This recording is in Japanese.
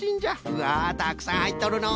うわたくさんはいっとるのう。